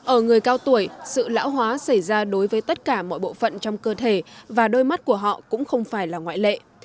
ở người cao tuổi sự lão hóa xảy ra đối với tất cả mọi bộ phận trong cơ thể và đôi mắt của họ cũng không phải là ngoại lệ